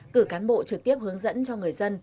cử cán bộ trực tiếp hướng dẫn cho người dân